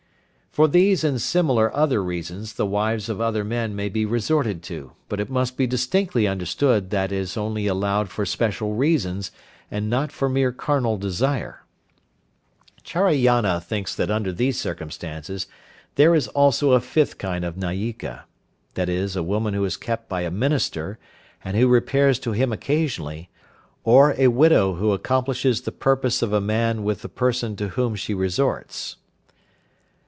For these and similar other reasons the wives of other men may be resorted to, but it must be distinctly understood that is only allowed for special reasons, and not for mere carnal desire. Charayana thinks that under these circumstances there is also a fifth kind of Nayika, viz., a woman who is kept by a minister, and who repairs to him occasionally; or a widow who accomplishes the purpose of a man with the person to whom she resorts.